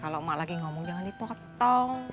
kalau emak lagi ngomong jangan dipotong